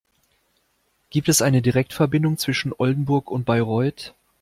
Gibt es eine Direktverbindung zwischen Oldenburg und Bayreuth?